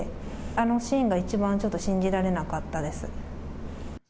あのシーンが一番ちょっと信じられなかったです。